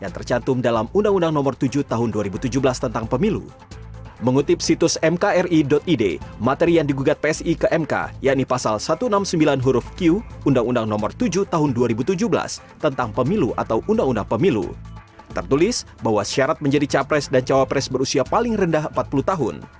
tertulis bahwa syarat menjadi capres dan cawapres berusia paling rendah empat puluh tahun